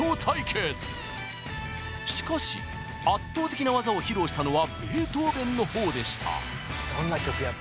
しかし圧倒的な技を披露したのはベートーベンの方でした。